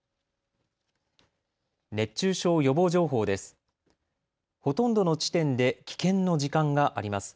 熱中症予防情報です。